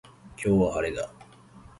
今日は、晴れだ。